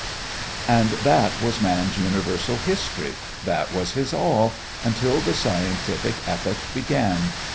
And that was man's universal history that was his all until the scientific epoch began.